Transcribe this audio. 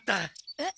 えっ？